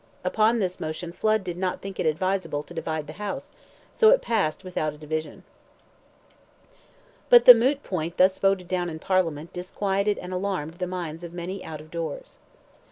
Upon this motion Flood did not think it advisable to divide the House, so it passed without a division. But the moot point thus voted down in Parliament disquieted and alarmed the minds of many out of doors.